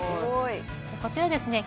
こちらですね